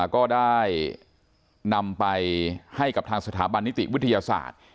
ก็ได้นำไปให้กับทางสถาบันนิติวิทยาศาสตร์